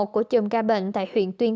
của trường ca bệnh tại huyện tuyên